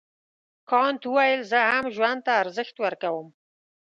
کانت وویل زه هم ژوند ته ارزښت ورکوم.